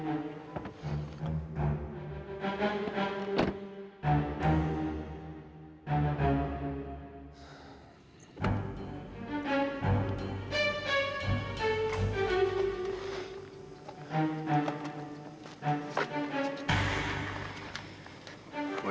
aku berharap bisa melupakan taufan